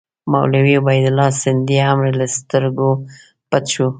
مولوي عبیدالله سندي هم له سترګو پټ شو.